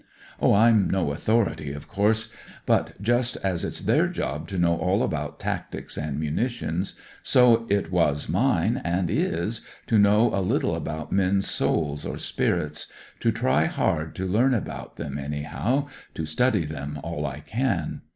" Oh, I'm no authority, of course. But, just as it's their job to know all about tactics and munitions, so it was mine, and is, to know a little about men's souls or spirits ; to try hard to learn about them, anyhow; to study them all I can.